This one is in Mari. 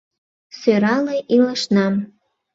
Сӧрале илышнам.